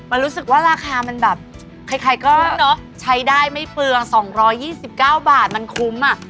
มันรู้สึกว่าราคามันแบบใครก็ใช้ได้ไม่เปลือง๒๒๙บาทมันคุ้มอ่ะ